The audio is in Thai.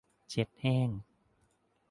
เช็ดแห้ง